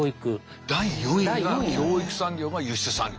第４位が教育産業輸出産業。